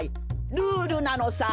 ルールなのさ！